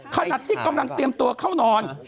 ขณะที่กำลังเตรียมตัวเข้านอน